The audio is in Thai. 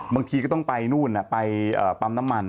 บางทีก็ต้องไปนู่นไปปั๊มน้ำมัน